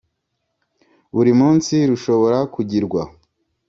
buri munsi rushobora kugirwa.